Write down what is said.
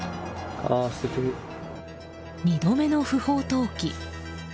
２度目の不法投棄。